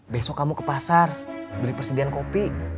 besok kamu ke pasar beli persediaan kopi